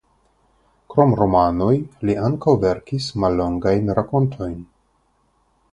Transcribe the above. Krom romanoj li ankaŭ verkis mallongajn rakontojn.